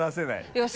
よし。